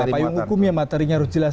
payung hukumnya materinya harus jelas